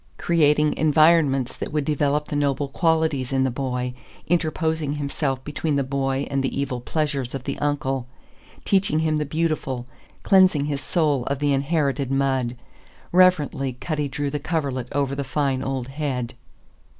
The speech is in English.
Creating environments that would develop the noble qualities in the boy, interposing himself between the boy and the evil pleasures of the uncle, teaching him the beautiful, cleansing his soul of the inherited mud. Reverently Cutty drew the coverlet over the fine old head.